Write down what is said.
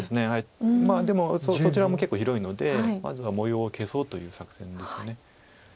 まあでもそちらも結構広いのでまずは模様を消そうという作戦です。